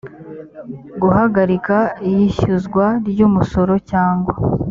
guhagarika iyishyuzwa ry umusoro cyangwa